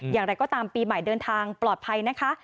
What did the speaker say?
อย่างไรก็ตามปีใหม่เดินทางปลอดภัยนะคะ